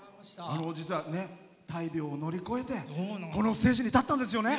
実は、大病を乗り越えてこのステージに立ったんですよね。